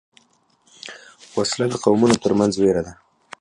وسله د قومونو تر منځ وېره ده